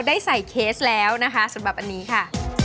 ได้ใส่เคสแล้วนะคะสำหรับอันนี้ค่ะ